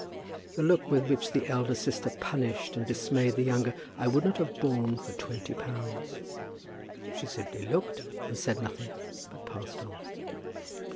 The look with which the elder sister punished and dismayed the younger, I would not have borne for twenty pounds. She simply looked, and said nothing, but passed on.